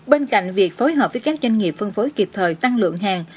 bên cạnh việc phối hợp với các doanh nghiệp phân phối kịp thời tăng lượng hàng